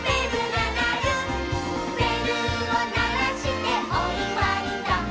「べるをならしておいわいだ」